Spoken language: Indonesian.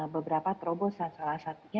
beberapa terobosan salah satunya